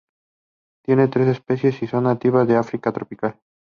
Tiene tres especies y son nativas de África tropical.